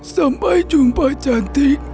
sampai jumpa cantik